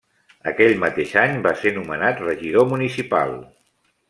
Aquell mateix any va ser nomenat regidor municipal.